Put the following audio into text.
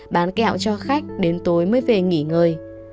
bán kẹo cho khách đến tối mới về nghỉ ngơi